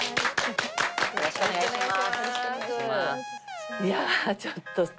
よろしくお願いします。